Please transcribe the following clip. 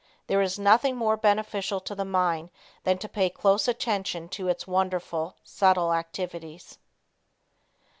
There is nothing more beneficial to the mind than to pay close attention to its own wonderful, subtle activities.